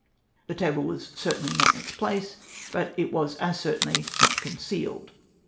The table Avas certainly not in its place — Init it Avas as certainly not con cealed